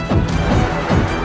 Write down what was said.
jurus braja dewa